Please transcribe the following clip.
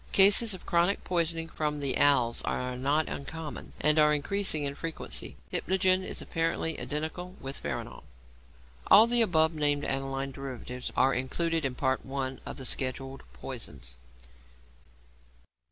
Cases of chronic poisoning from the 'als' are not uncommon, and are increasing in frequency. Hypnogen is apparently identical with veronal. All the above named aniline derivatives are included in Part I. of the scheduled poisons.